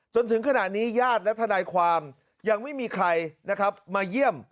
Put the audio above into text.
จนถึงขณะนี้ญาติและทนายความยังไม่มีใครนะครับมาเยี่ยม